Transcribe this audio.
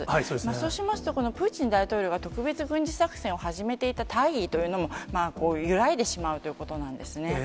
そうしますと、このプーチン大統領が特別軍事作戦を始めていた大義というのも、揺らいでしまうということなんですね。